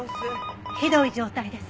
ひどい状態です。